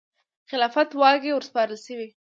خلافت واګې وروسپارل شوې.